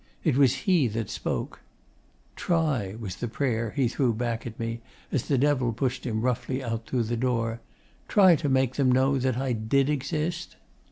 It was he that spoke. 'Try,' was the prayer he threw back at me as the Devil pushed him roughly out through the door, 'TRY to make them know that I did exist!